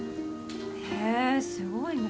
へぇすごいね。